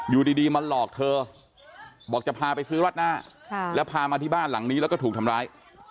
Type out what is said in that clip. อยู่ดีมาหลอกเธอบอกจะพาไปซื้อรัดหน้าแล้วพามาที่บ้านหลังนี้แล้วก็ถูกทำร้าย